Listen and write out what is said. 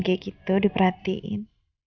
gak bisa jadi gitu diperhatiin